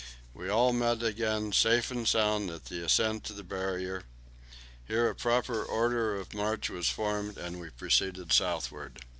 We all met again safe and sound at the ascent to the Barrier. Here a proper order of march was formed, and we proceeded southward.